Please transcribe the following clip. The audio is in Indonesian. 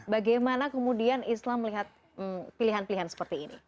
bagaimana kemudian islam melihat pilihan pilihan seperti ini